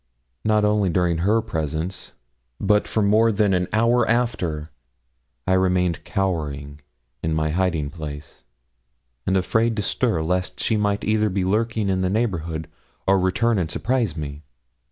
Not only during her presence, but for more than an hour after, I remained cowering in my hiding place, and afraid to stir, lest she might either be lurking in the neighborhood, or return and surprise me.